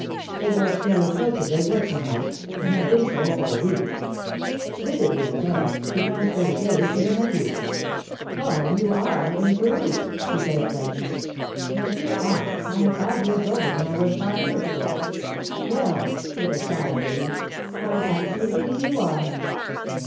It was irreproachably workmanlike, and had been so for a week. Visibly impressed, she transferred her gaze to her nephew. 'Paul, you are improved,' she said at length. 'My dear aunt, I am five years older than I was five years ago.' 'Well,' with a sigh of relief, 'I actually believe you are!